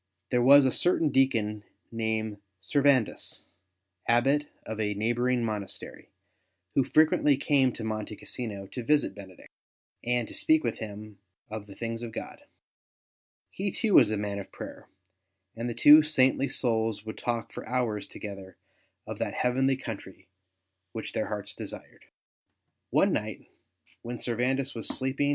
There was a certain deacon named Servandus, Abbot of a neighbouring monastery, who frequently came to Monte Cassino to visit Benedict, and to speak with him of the things of God. He, too, was a man of prayer, and the two saintly souls would talk for hours together of that heavenly country which their hearts desired. One night when Servandus was sleeping ST.